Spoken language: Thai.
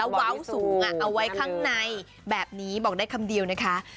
เว้าสูงเอาไว้ข้างในแบบนี้บอกได้คำเดียวนะคะ